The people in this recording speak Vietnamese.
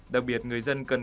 đặc biệt người dân cần